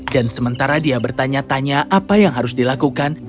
dan sementara dia bertanya tanya apa yang harus dilakukan